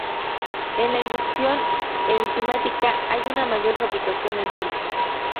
En la inducción enzimática hay una mayor fabricación de enzimas.